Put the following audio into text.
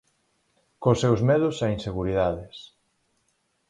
Cos seus medos e inseguridades.